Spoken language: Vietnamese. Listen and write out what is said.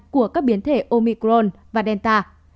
của các biến thể omicron và delta